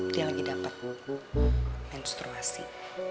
dia lagi dapet menstruasi